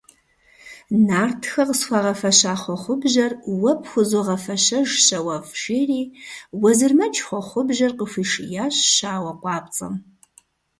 Нартхэ къысхуагъэфэща хъуэхъубжьэр уэ пхузогъэфэщэж, щауэфӏ, – жери Уэзырмэдж хъуэхъубжьэр къыхуишиящ щауэ къуапцӏэм.